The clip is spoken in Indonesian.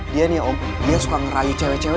dia nih om dia suka ngerayu cewe cewe